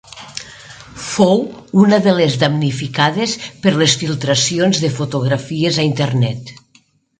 Fou una de les damnificades per les filtracions de fotografies a internet.